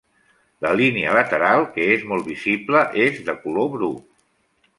La línia lateral, que és molt visible, és de color bru.